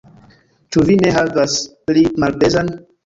Ĉu vi ne havas pli malpezan?